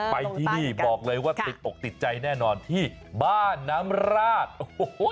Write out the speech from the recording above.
ไปที่นี่บอกเลยว่าติดอกติดใจแน่นอนที่บ้านน้ำราดโอ้โห